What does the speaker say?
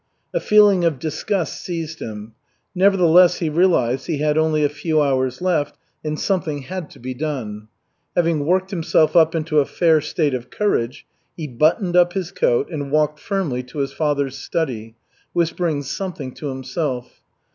A feeling of disgust seized him. Nevertheless he realized he had only a few hours left and something had to be done. Having worked himself up into a fair state of courage, he buttoned up his coat, and walked firmly to his father's study, whispering something to himself.